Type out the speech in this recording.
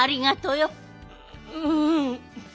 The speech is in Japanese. うん。